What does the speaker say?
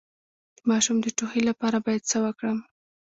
د ماشوم د ټوخي لپاره باید څه وکړم؟